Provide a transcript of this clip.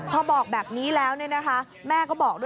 พอบอกแบบนี้แล้วเนี่ยนะคะแม่ก็บอกด้วยนะ